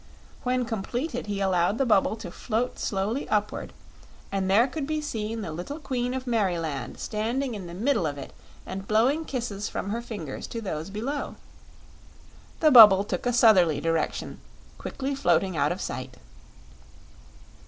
When completed, he allowed the bubble to float slowly upward, and there could be seen the little Queen of Merryland standing in the middle of it and blowing kisses from her fingers to those below. The bubble took a southerly direction, quickly floating out of sight.